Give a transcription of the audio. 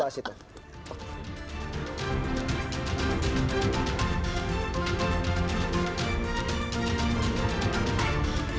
pertanyaan yang paling penting